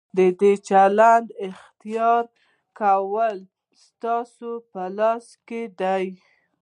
د چلند اختیار کول ستاسو په لاس کې دي.